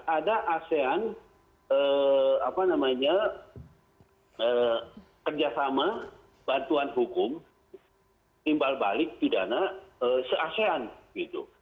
ada asean apa namanya kerjasama bantuan hukum timbal balik pidana se asean gitu